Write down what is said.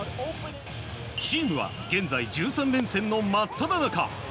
チームは現在１３連戦の真っただ中。